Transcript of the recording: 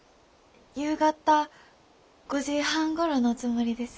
夕方５時半ごろのつもりです。